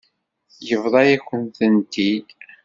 Yebḍa-yakent-tent-id.